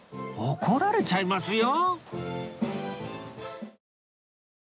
怒られちゃいますよ！